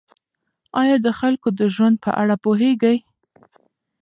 آیا د خلکو د ژوند په اړه پوهېږئ؟